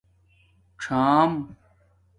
څݳم